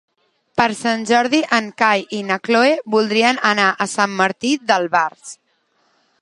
Per Sant Jordi en Cai i na Cloè voldrien anar a Sant Martí d'Albars.